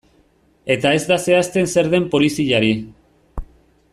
Eta ez da zehazten zer den poliziari.